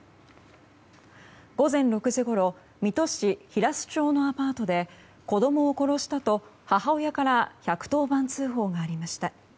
午前６時ごろ水戸市平須町のアパートで子供を殺したと、母親から１１０番通報がありました。